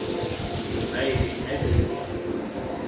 It may be negative.